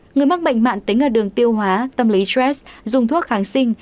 người mắc bệnh mạng tính ở đường tiêu hóa tâm lý stress dùng thuốc kháng sinh